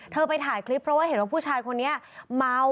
ไปถ่ายคลิปเพราะว่าเห็นว่าผู้ชายคนนี้เมา